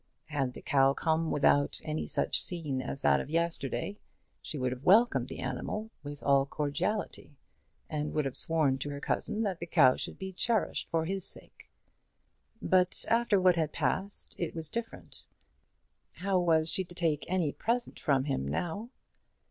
Had the cow come without any such scene as that of yesterday, she would have welcomed the animal with all cordiality, and would have sworn to her cousin that the cow should be cherished for his sake. But after what had passed it was different. How was she to take any present from him now?